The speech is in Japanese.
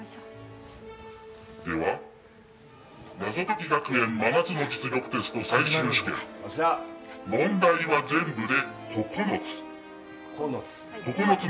では、謎解き学園真夏の実力テスト最終試験、問題は全部で９つ。